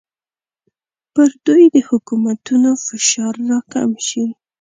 پر دوی د حکومتونو فشار راکم شي.